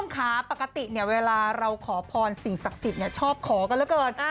ข่าวปกตินี่เวลาเราขอพรสิทธิ์สักสิทธิ์เนี่ยชอบขอกันแล้วเกิด